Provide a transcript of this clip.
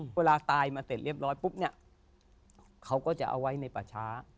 เวลาตายมาเสร็จเรียบร้อยปุ๊บเนี่ยเขาก็จะเอาไว้ในป่าช้า